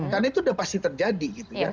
karena itu udah pasti terjadi